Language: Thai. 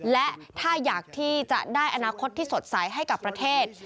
และถ้าอยากที่จะได้อนาคตที่สดใสให้กับประเทศ